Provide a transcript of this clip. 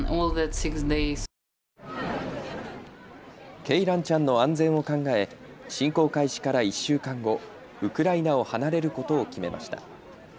ケイランちゃんの安全を考え、侵攻開始から１週間後ウクライナを離れることを決めました。